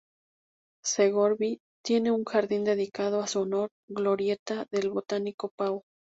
Segorbe tiene un jardín dedicado a su honor: "Glorieta del botánico Pau"